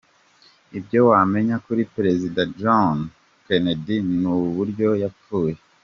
Ibyo wamenya kuri Perezida John F Kennedy n’uburyo yapfuye